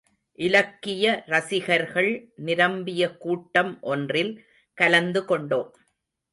இலக்கிய ரசிகர்கள் நிரம்பிய கூட்டம் ஒன்றில் கலந்து கொண்டோம்.